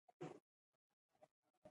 نوم به یې وانخلم.